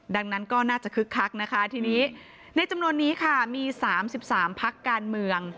ดังนั้นก็น่าจะคึกคักนะคะทีนี้ในจำนวนนี้ค่ะมี๓๓พักการเมือง